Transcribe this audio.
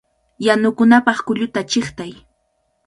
¡Yanukunapaq kulluta chiqtay!